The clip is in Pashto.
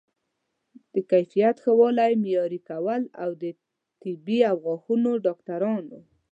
د کیفیت ښه والی معیاري کول او د طبي او غاښونو ډاکټرانو